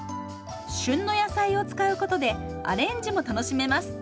旬の野菜を使うことでアレンジも楽しめます。